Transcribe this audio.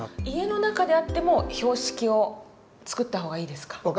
家の中であっても標識を作った方がいいですか。